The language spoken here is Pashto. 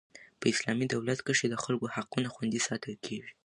په اسلامي دولت کښي د خلکو حقونه خوندي ساتل کیږي.